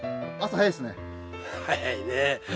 早いね。